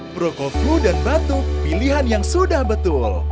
proko flu dan batuk pilihan yang sudah betul